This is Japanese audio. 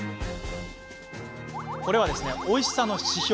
これは、おいしさの指標